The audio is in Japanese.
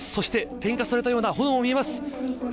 点火されたような炎も見えます。